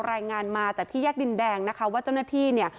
รายงานมาจากที่แยกดินแดงนะคะว่าเจ้าหน้าที่เนี่ย